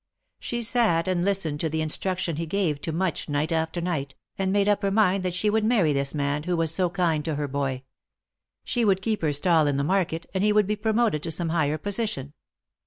She sat and listened to the instruction he gave to Much night after night, and made up her mind that she would marry this man, who was so kind to her boy ; she would keep her stall in the market, and he would be promoted to some higher position.